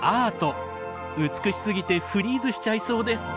美しすぎてフリーズしちゃいそうです。